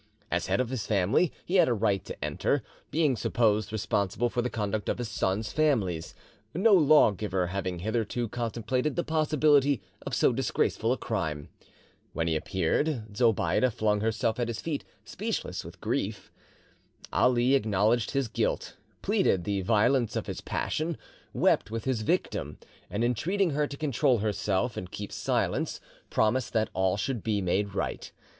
As head of the family, he had a right to enter, being supposed responsible for the conduct of his sons' families, no law giver having hitherto contemplated the possibility of so disgraceful a crime. When he appeared, Zobeide flung herself at his feet, speechless with grief. Ali acknowledged his guilt, pleaded the violence of his passion, wept with his victim, and entreating her to control herself and keep silence, promised that all should be made right.